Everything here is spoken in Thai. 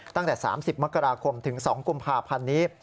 ตั้งแต่๓๐มกราคมถึง๒กุมภาพันธ์นี้